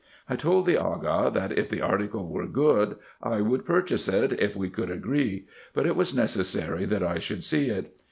I told the Aga, that if the article were good, I would purchase it, if we could agree ; but it was necessary that I should see it.